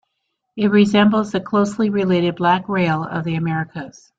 It resembles the closely related black rail of The Americas.